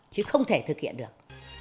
chứ không thể thực hiện được